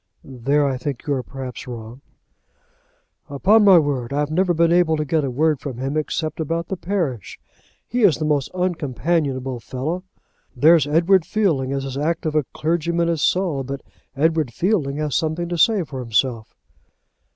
"There I think you are perhaps wrong." "Upon my word, I've never been able to get a word from him except about the parish. He is the most uncompanionable fellow. There's Edward Fielding is as active a clergyman as Saul; but Edward Fielding has something to say for himself."